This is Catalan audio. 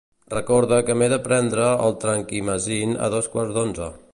Recorda que m'he de prendre el Trankimazin a dos quarts d'onze.